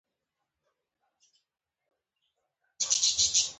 په لاسونو کې يې ټوپکې ښکارېدلې.